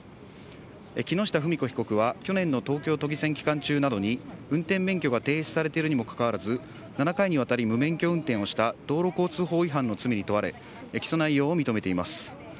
木下富美子被告は去年の東京都議選期間中などに、運転免許が停止されているにもかかわらず、７回にわたり無免許運転をした道路交通法違反の罪に問われ、起訴内容を認めています。